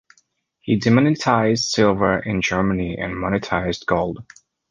He demonetised silver in Germany and monetised gold.